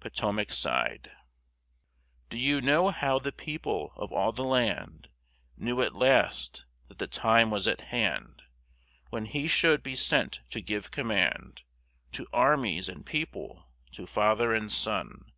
POTOMAC SIDE Do you know how the people of all the land Knew at last that the time was at hand When He should be sent to give command To armies and people, to father and son!